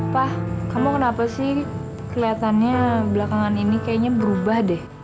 pak kamu kenapa sih kelihatannya belakangan ini kayaknya berubah deh